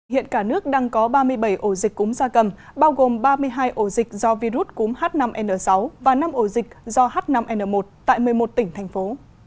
hiện cả nước đang có ba mươi bảy ổ dịch cúm gia cầm bao gồm ba mươi hai ổ dịch do virus cúm h năm n sáu và năm ổ dịch do h năm n một tại một mươi một tỉnh thành phố